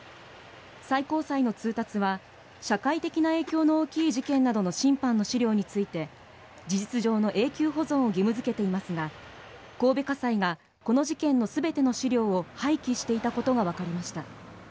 最高裁の通達は社会的な影響の大きい事件などの審判の資料について事実上の永久保存を義務付けていますが神戸家裁がこの事件の全ての資料を廃棄していたことが分かりました。